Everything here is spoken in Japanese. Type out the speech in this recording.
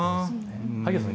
萩谷さん